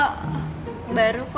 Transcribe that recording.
kayan jadi ini udah lama